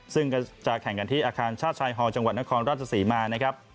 ซึ่งก็จะแข่งกันที่อาคารชาติชายฮอลจังหวัดนครราชศรีมานะครับ